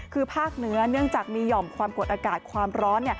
คือภาคเหนือเนื่องจากมีหย่อมความกดอากาศความร้อน